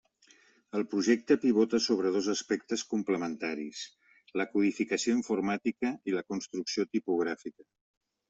El projecte pivota sobre dos aspectes complementaris: la codificació informàtica i la construcció tipogràfica.